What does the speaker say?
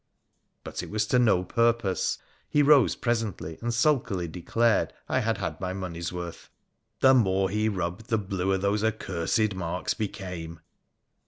But it was to no purpose. He rose presently, and sulkily declared I had had my money's worth. ' The more he rubbed the bluer those accursed marks became.'